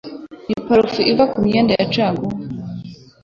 Ni parufe iva kumyenda ya caguwa